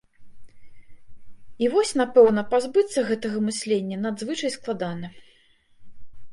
І вось, напэўна, пазбыцца гэтага мыслення надзвычай складана.